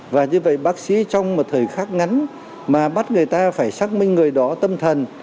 và như vậy bác sĩ trong một thời khắc ngắn mà bắt người ta phải xác minh người đó tâm thần